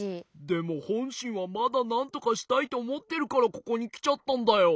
でもほんしんはまだなんとかしたいとおもってるからここにきちゃったんだよ。